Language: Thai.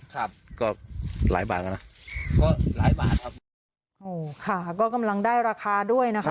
ครับก็หลายบาทแล้วนะก็หลายบาทครับโหค่ะก็กำลังได้ราคาด้วยนะคะ